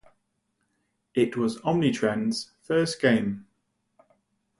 It was Omnitrend's first game.